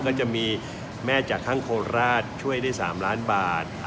ก็จะมีแม่จากข้างโคราชช่วยได้๓ล้านบาท